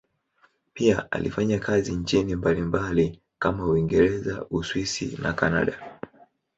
Pia alifanya kazi nchini mbalimbali kama Uingereza, Uswisi na Kanada.